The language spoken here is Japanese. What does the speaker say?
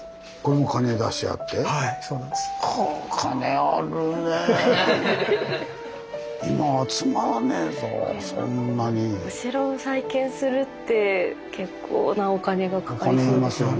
お城を再建するって結構なお金がかかりそうですよね。